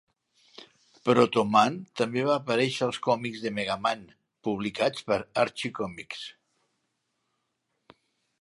Proto Man també va aparèixer als còmics de "Mega Man" publicats per Archie Comics.